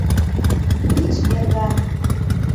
вич эрган